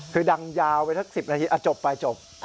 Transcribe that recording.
คือดังยาวไปสัก๑๐นาทีจบไปจบ